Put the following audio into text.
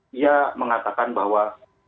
dia mengatakan bahwa